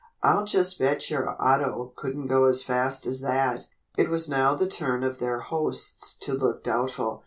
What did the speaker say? I'll just bet your auto couldn't go as fast as that." It was now the turn of their hosts to look doubtful.